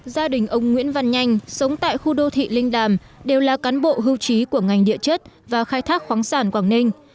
gia đình ông nguyễn văn nhanh sống tại khu đô thị linh đàm đều là cán bộ hưu trí của ngành địa chất và khai thác khoáng sản quảng ninh